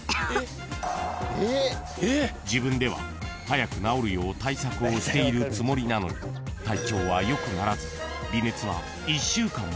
［自分では早く治るよう対策をしているつもりなのに体調は良くならず］